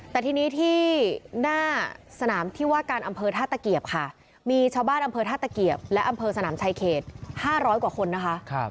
แต่ทีนี้ที่หน้าสนามที่ว่าการอำเภอท่าตะเกียบค่ะมีชาวบ้านอำเภอท่าตะเกียบและอำเภอสนามชายเขต๕๐๐กว่าคนนะคะ